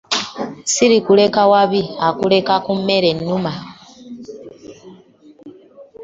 Sirikuleka wabi akuleka ku mmere nnuma .